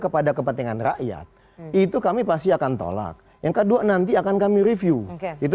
kepada kepentingan rakyat itu kami pasti akan tolak yang kedua nanti akan kami review itu